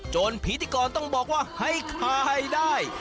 จนผีที่ก่อนต้องบอกว่าให้ค่าให้ได้